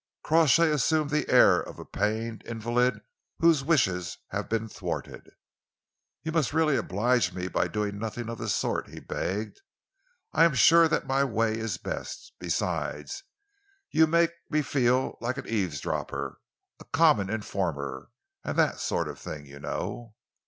Crawshay assumed the air of a pained invalid whose wishes have been thwarted. "You must really oblige me by doing nothing of the sort," he begged. "I am sure that my way is best. Besides, you make me feel like an eavesdropper a common informer, and that sort of thing, you know."